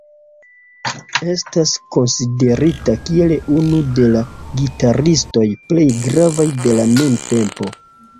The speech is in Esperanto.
Estas konsiderita kiel unu de la gitaristoj plej gravaj de la nuntempo.